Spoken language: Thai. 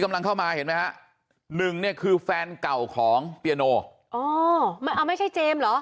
กำลังเข้ามาเห็นนะ๑นี่คือแฟนเก่าของเพียโนมันไม่ใช่เจมส์หรอ